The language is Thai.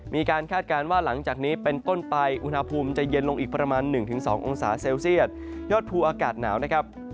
คาดการณ์ว่าหลังจากนี้เป็นต้นไปอุณหภูมิจะเย็นลงอีกประมาณ๑๒องศาเซลเซียตยอดภูอากาศหนาวนะครับ